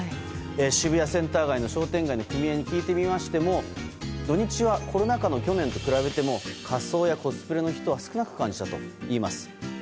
渋谷センター街の商店街の組合に聞いてみましても土日はコロナ禍の去年と比べても仮装やコスプレの人は少なく感じたといいます。